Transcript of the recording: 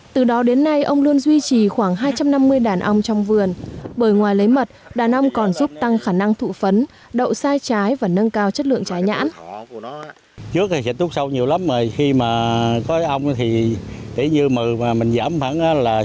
từ đó đến nay ông luôn duy trì khoảng hai trăm năm mươi đàn ông trong vườn bởi ngoài lấy mật đàn ông còn giúp tăng khả năng thụ phấn đậu sai trái và nâng cao chất lượng trái nhãn